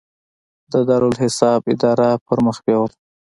د دارالاحساب اداره پرمخ بیوله.